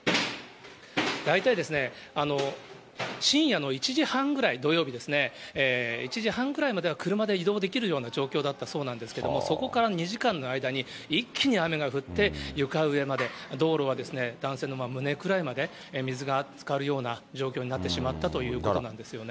大体ですね、深夜の１時半ぐらい、土曜日ですね、１時半ぐらいまで車で移動できるような状況だったそうなんですけども、そこから２時間の間に、一気に雨が降って、床上まで、道路は男性の胸ぐらいまで水がつかるような状況になってしまったということなんですよね。